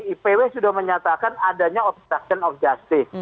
ipw sudah menyatakan adanya obstruction of justice